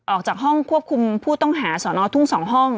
ออกจากห้องควบคุมผู้ต้องหาสอนอทุ่ง๒ห้อง